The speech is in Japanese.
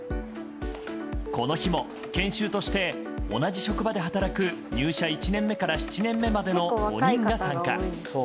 この日も、研修として同じ職場で働く入社１年目から７年目までの５人が参加。